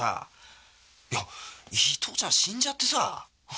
いや伊東ちゃん死んじゃってさ。